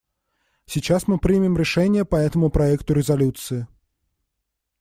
Сейчас мы примем решение по этому проекту резолюции.